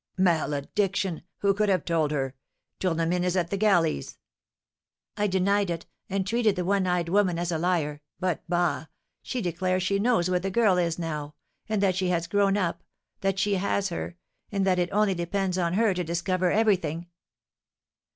"Malediction! Who could have told her? Tournemine is at the galleys." "I denied it, and treated the one eyed woman as a liar. But bah! she declares she knows where the girl is now, and that she has grown up, that she has her, and that it only depends on her to discover everything."